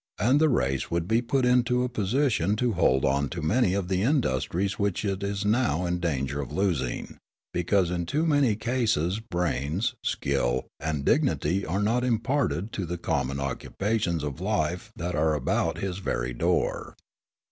and the race would be put into a position to hold on to many of the industries which it is now in danger of losing, because in too many cases brains, skill, and dignity are not imparted to the common occupations of life that are about his very door.